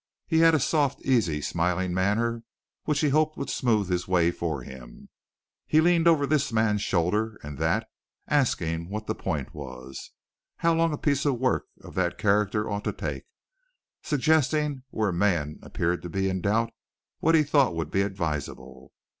He had a soft, easy, smiling manner which he hoped would smooth his way for him. He leaned over this man's shoulder and that asking what the point was, how long a piece of work of that character ought to take, suggesting where a man appeared to be in doubt what he thought would be advisable.